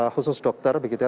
khusus dokter begitu ya